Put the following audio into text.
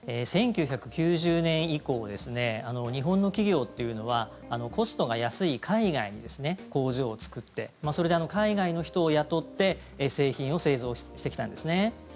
１９９０年以降日本の企業っていうのはコストが安い海外に工場を作ってそれで海外の人を雇って製品を製造してきたんですね。